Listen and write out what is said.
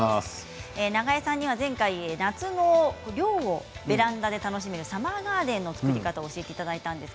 永江さんには前回夏の涼をベランダで楽しめるサマーガーデンの作り方を教えていただきました。